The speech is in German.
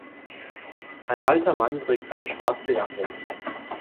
Ein alter Mann trägt eine schwarze Jacke.